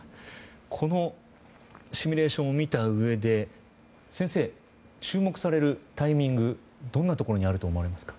このシミュレーションを見たうえで先生、注目されるタイミングどんなところにあると思われますか？